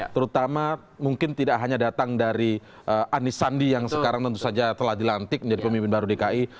terutama mungkin tidak hanya datang dari anisandi yang sekarang tentu saja telah dilantik menjadi pemimpin baru dki